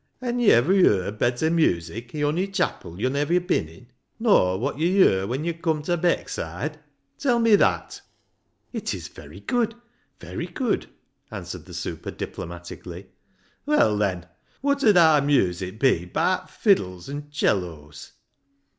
Han' yo' iver yerd better music i' ony chapil yo'n iver been in, nor wot yo' yer when yo' cum ta Beckside? Tell me that." " It is very good ; very good," answered the super diplomatically. " Well, then, wot 'ud aar music be baat fiddles an' 'cellos